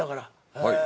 はい。